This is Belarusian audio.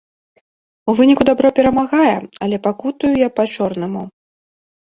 У выніку дабро перамагае, але пакутую я па-чорнаму.